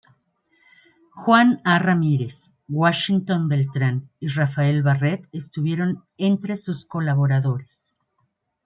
Juan A. Ramírez, Washington Beltrán y Rafael Barrett estuvieron entre sus colaboradores.